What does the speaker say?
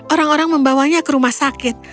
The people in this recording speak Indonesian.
orang orang membawanya ke rumah sakit